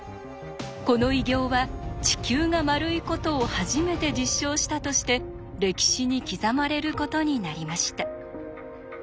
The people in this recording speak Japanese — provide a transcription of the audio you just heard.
この偉業は地球が丸いことを初めて実証したとして歴史に刻まれることになりました。